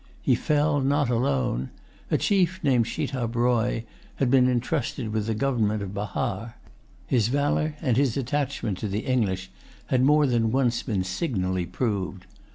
He fell not alone. A chief named Schitab Roy had been entrusted with the government of Bahar. His valor and his attachment to the English had more than once been signally proved.